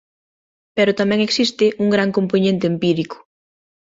Pero tamén existe un gran compoñente empírico.